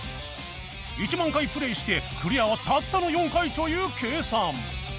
１万回プレイしてクリアはたったの４回という計算